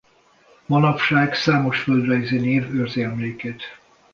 Manapság számos földrajzi név őrzi emlékét.